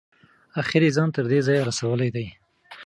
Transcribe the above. اخیر یې ځان تر دې ځایه رسولی دی.